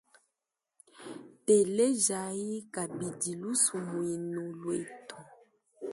Telejayi kabidi lusumuinu lwetu.